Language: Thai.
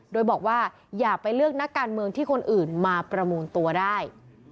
โดยบอกว่าอย่าไปเลือกนักการเมืองที่คนอื่นมาประมูลตัวได้